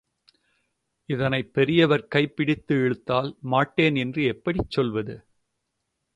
இத்தனை பெரியவர் கைப்பிடித்து இழுத்தால் மாட்டேன் என்று எப்படிச் சொல்வது?